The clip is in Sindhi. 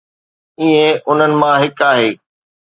آئين انهن مان هڪ آهي.